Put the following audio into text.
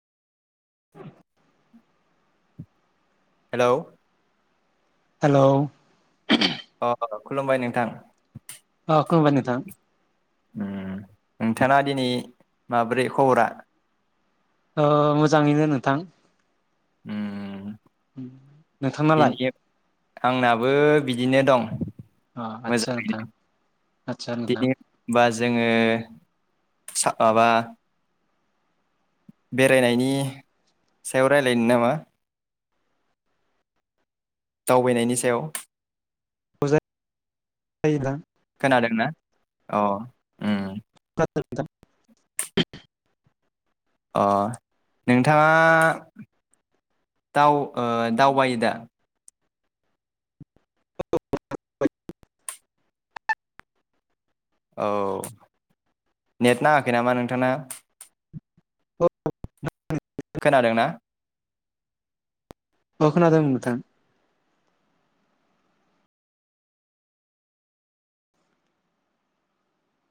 [inaudible] Hello hello अ खुलुमबाय नोंथां। अ खुलुमबाय नोंथां। ओम नोंथाङा दिनै माब्रै खबरा? ओ मोजाङैनो नोंथां। ओम नोंथांनालाय? आंनाबो बिदिनो दं। अ आतसा मोजाङैनो नोंथां आतसा नोंथां। दिनै बा जोङो सा माबा बेरायनायनि सायाव रायलायनो नामा? दावबायनायनि सायाव [unintelligible] जादोंना अ ओम। [unintelligible] अ नोंथाङा दाव ओ दावबायोदा? [unintelligible] औ नेट नाङाखै नामा नोंथाङा? खोनादों ना? ओ खोनादों नोंथां।